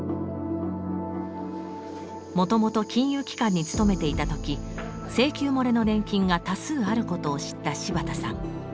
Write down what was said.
もともと金融機関に勤めていた時請求もれの年金が多数あることを知った柴田さん。